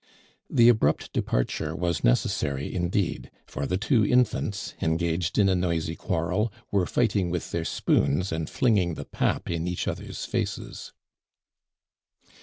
The abrupt departure was necessary indeed; for the two infants, engaged in a noisy quarrel, were fighting with their spoons, and flinging the pap in each other's faces.